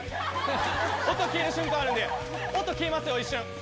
音消える瞬間あるんで、音消えますよ、一瞬。